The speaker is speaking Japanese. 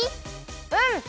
うん。